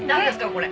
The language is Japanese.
これ。